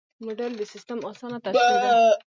موډل د سیسټم اسانه تشریح ده.